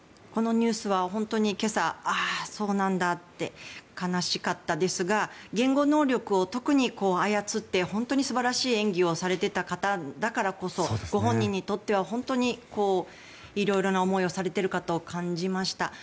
このニュースは本当に今朝ああ、そうなんだって悲しかったですが言語能力を特に操って本当に素晴らしい演技をされていた方だからこそご本人にとっては本当に色々な思いをされているかと感じました。